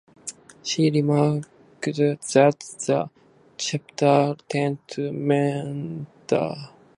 She remarked that the chapters "tend to meander".